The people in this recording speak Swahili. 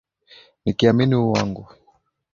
nikiamini u wangu